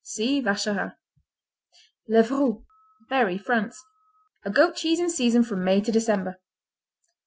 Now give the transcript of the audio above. (See Vacherin.) Levroux Berry, France A goat cheese in season from May to December.